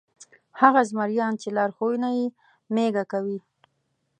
هغه زمریان چې لارښوونه یې مېږه کوي.